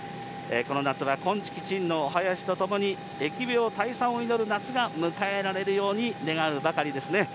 この夏は、こんちきちんのおはやしとともに、疫病退散を祈る夏が迎えられるように願うばかりですね。